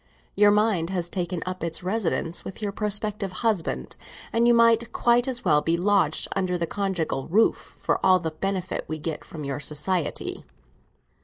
Your mind has taken up its residence with your prospective husband, and you might quite as well be lodged under the conjugal roof, for all the benefit we get from your society."